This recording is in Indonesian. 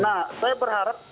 nah saya berharap